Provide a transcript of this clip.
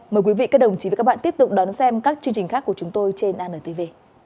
mời quý vị các đồng chí và các bạn tiếp tục đón xem các chương trình khác của chúng tôi trên antv